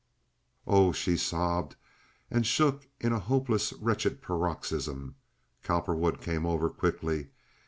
"Oh!" she sobbed, and shook in a hopeless, wretched paroxysm. Cowperwood came over quickly.